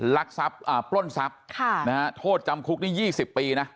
รักษัพอ่าปล้นศัพท์ค่ะนะฮะโทษจำคุกนี้ยี่สิบปีนะ